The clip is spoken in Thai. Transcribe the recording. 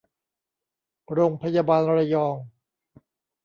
โรงพยาบาลระยอง